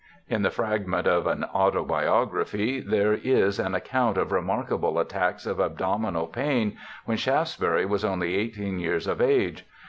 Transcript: In the fragment of an autobiography^ there is an account of remarkable attacks of abdominal pain when Shaftesbury was only eighteen years of age.